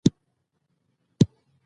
د نوو بوټو او نیالګیو باغوانان دي.